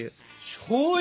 しょうゆ？